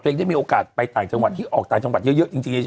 ได้มีโอกาสไปต่างจังหวัดที่ออกต่างจังหวัดเยอะจริง